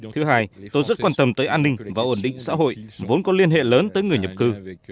thứ hai tôi rất quan tâm tới an ninh và ổn định xã hội vốn có liên hệ lớn tới người nhập cư